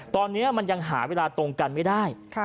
ตอนนี้มันยังหาเวลาตรงกันไม่ได้